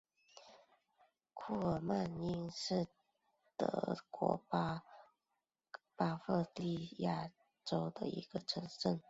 库尔迈因是德国巴伐利亚州的一个市镇。